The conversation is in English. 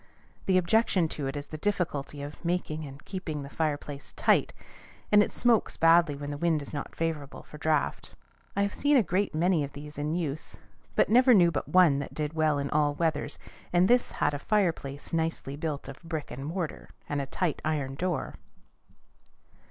The objection to it is the difficulty of making and keeping the fireplace tight, and it smokes badly when the wind is not favorable for draught. I have seen a great many of these in use, but never knew but one that did well in all weathers, and this had a fireplace nicely built of brick and mortar, and a tight iron door.